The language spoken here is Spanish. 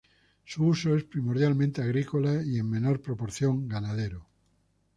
Su uso es primordialmente agrícola y en menor proporción ganadero.